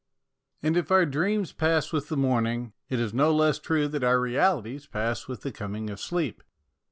And if our dreams pass with the morning, it is no less true that our realities pass with the coming of sleep.